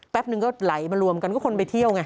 หนึ่งก็ไหลมารวมกันก็คนไปเที่ยวไง